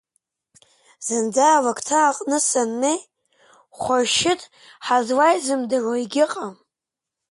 Зынӡа алакҭа аҟны саннеи, Хәаршьыҭ ҳазлаизымдыруа егьыҟам.